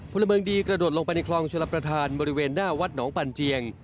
พลเมืองดีกระโดดลงไปในคลองชลประธานบริเวณหน้าวัดหนองปันเจียง